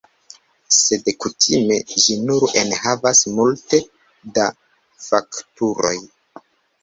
Sed kutime, ĝi nur enhavas multe da fakturoj.